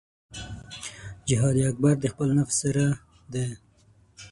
جهاد اکبر د خپل نفس سره دی .